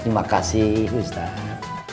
terima kasih ustaz